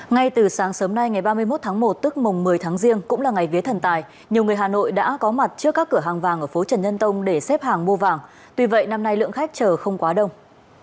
ngay từ sáng sớm nay ngày ba mươi một tháng một tức mùng một mươi tháng riêng cũng là ngày vía thần tài nhiều người hà nội đã có mặt trước các cửa hàng vàng ở phố trần nhân tông để xếp hàng mua vàng tuy vậy năm nay lượng khách chờ không quá đông